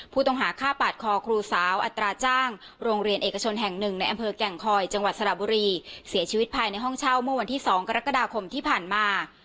ผู้ต้องหาฆ่าปาดคอครูสาวอัตราจ้างโรงเรียนเอกชนแห่งหนึ่งในอำเภอแก่งคอยจังหวัดสระบุรีเสียชีวิตภายในห้องเช่าเมื่อวันที่๒กรกฎาคมที่ผ่านมา